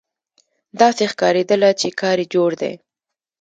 داسې ښکارېدله چې کار یې جوړ دی.